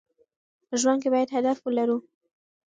په ژوند کې باید هدف ولرو.